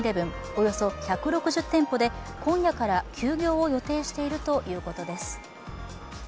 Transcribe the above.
およそ１６０店舗で今夜から休業を予定しているということです。